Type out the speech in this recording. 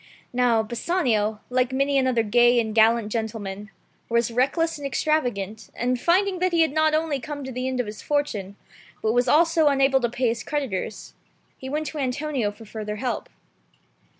Now Bassanio, like many another gay and gallant gentleman, was reckless and extravagant, and finding that he had not only come to the end of his fortune, but was also unable to pay his cred itors, he went to Antonio for further help.